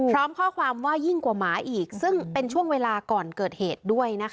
พร้อมข้อความว่ายิ่งกว่าหมาอีกซึ่งเป็นช่วงเวลาก่อนเกิดเหตุด้วยนะคะ